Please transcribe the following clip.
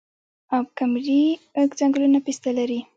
اب کمري ځنګلونه پسته لري؟